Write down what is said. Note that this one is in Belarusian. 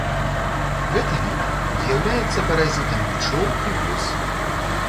Гэты від з'яўляецца паразітам пчол і вос.